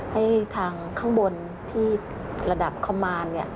ให้ทางข้างบนที่ระดับเข้ามาร